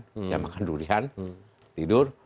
saya makan durian tidur